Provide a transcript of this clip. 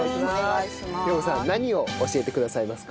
寛子さん何を教えてくださいますか？